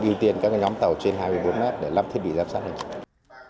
ưu tiên các nhóm tàu trên hai mươi bốn mét để lắp thiết bị giám sát hành trình